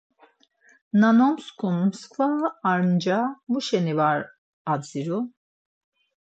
Na nomskun mskva ar nca muşeni var adziru?